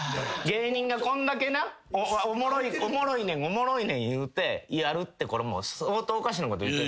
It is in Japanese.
芸人がこんだけなおもろいねんおもろいねん言うてやるってこれもう相当おかしなこと。